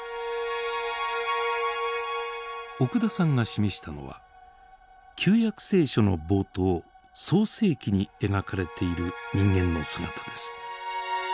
奥田さんが示したのは旧約聖書の冒頭「創世記」に描かれている人間の姿です。